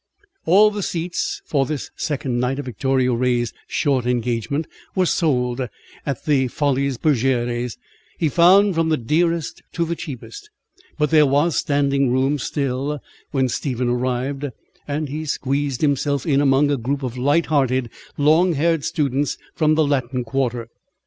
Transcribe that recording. All the seats for this second night of Victoria Ray's short engagement were sold at the Folies Bergères, he found, from the dearest to the cheapest: but there was standing room still when Stephen arrived, and he squeezed himself in among a group of light hearted, long haired students from the Latin Quarter.